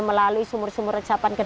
melalui sumber sumber resapan kedai air